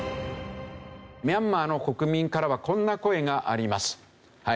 ミャンマーの国民からはこんな声があります。